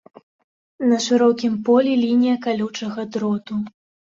На шырокім полі лінія калючага дроту.